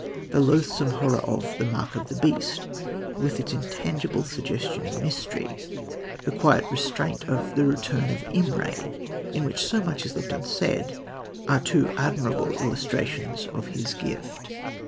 The loathsome horror of The Mark of the Beast, with its intangible suggestion of mystery, the quiet restraint of The Return of Imray, in which so much is left unsaid, are two admirable illustrations of his gift.